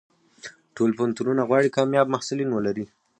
ټول پوهنتونونه غواړي کامیاب محصلین ولري.